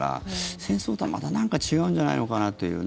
戦争とは、またなんか違うんじゃないのかなというね。